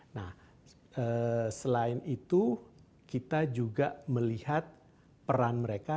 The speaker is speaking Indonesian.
nah selain itu kita juga melihat peran mereka